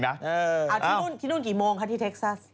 ที่นู่นกี่โมงคะที่เท็กซัส